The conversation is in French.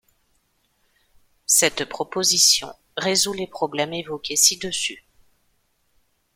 Cette proposition résout les problèmes évoqués ci-dessus.